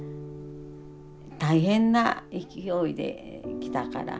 大変な勢いで来たから。